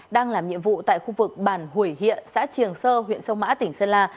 đang làm nhiệm vụ tại khu vực bản hủy hiện xã triềng sơ huyện sông mã tỉnh sơn la